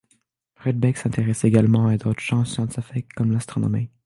Rudbeck s’intéresse également à d’autres champs scientifiques comme l’astronomie.